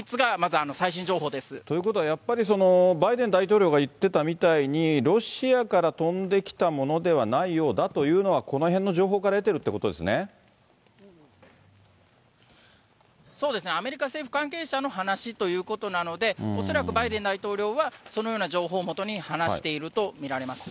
ということはやっぱり、バイデン大統領が言ってたみたいに、ロシアから飛んできたものではないようだというのは、このへんの情報から得ているということそうですね、アメリカ政府関係者の話ということなので、恐らくバイデン大統領は、そのような情報をもとに話していると見られます。